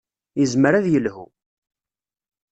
Yezmer ad yelhu.